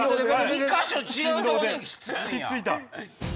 ２か所違うとこでひっつくんや。